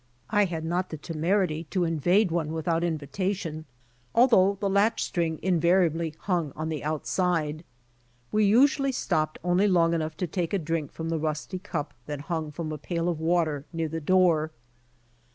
I had not the temeritv to invade one without MIRAGE 47 invitation, although t}ie latch string invariably hnug on the outside. We usually stopped only long enough to take a drink from the rusty cup that hung from a pail of water near the door.